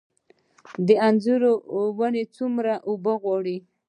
د انځر ونې څومره اوبه غواړي؟